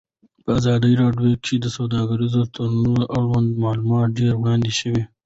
په ازادي راډیو کې د سوداګریز تړونونه اړوند معلومات ډېر وړاندې شوي.